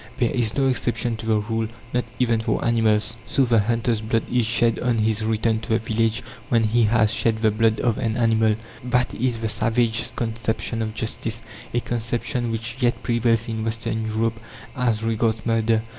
There is no exception to the rule, not even for animals; so the hunter's blood is shed on his return to the village when he has shed the blood of an animal. That is the savages' conception of justice a conception which yet prevails in Western Europe as regards murder.